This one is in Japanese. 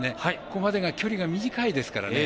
ここまでの距離が短いですからね